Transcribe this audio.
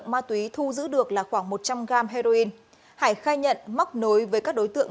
ma túy thu giữ được là khoảng một trăm linh g heroin hải khai nhận móc nối với các đối tượng